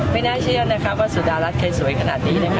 ไม่น่าเชื่อนะครับก็สุดรัฐเคยสวยขนาดนี้นะคะ